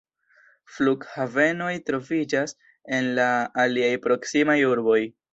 Flughavenoj troviĝas en la aliaj proksimaj urboj.